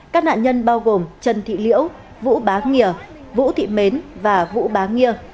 các nạn nhân bao gồm trần thị liễu vũ bá nghia vũ thị mến và vũ bá